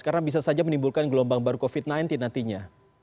karena bisa saja menimbulkan gelombang baru covid sembilan belas nantinya